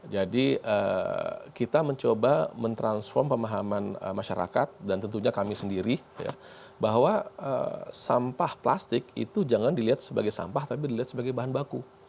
jadi kita mencoba mentransform pemahaman masyarakat dan tentunya kami sendiri bahwa sampah plastik itu jangan dilihat sebagai sampah tapi dilihat sebagai bahan baku